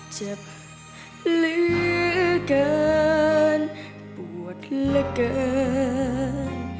เจ็บเหลือเกินปวดเหลือเกิน